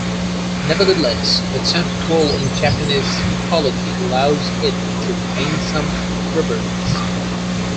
Nevertheless, its central role in Japanese mythology allows it to retain some reverence.